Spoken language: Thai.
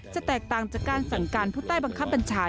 จะแตกต่างจากการสั่งการผู้ใต้บังคับบัญชา